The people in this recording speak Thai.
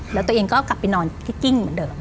แล้วตัวเองก็กลับไปนอนที่กิ้งเหมือนเดิม